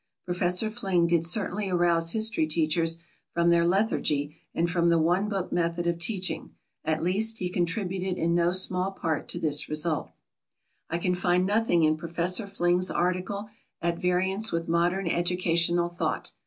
Professor Fling did certainly arouse history teachers from their lethargy and from the "one book" method of teaching; at least, he contributed in no small part to this result. I can find nothing in Professor Fling's article at variance with modern educational thought.